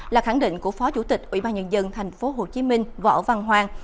là khẳng định của phó chủ tịch ubnd tp hcm võ văn hoàng